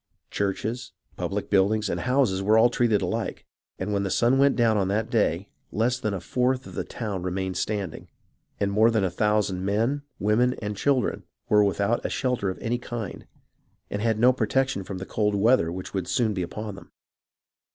Churches, public buildings, and houses were all treated alike ; and when the sun went down on that day, less than a fourth of the town remained standing, and more than a thousand men, women, and children were without a shelter of any kind, and had no protection from the cold weather which would soon be upon them.